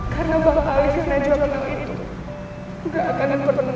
karena bang alis yang menjauhkan aku itu